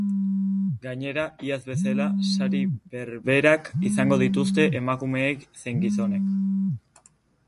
Gainera, iaz bezala, sari berberak izango dituzte emakumeek zein gizonek.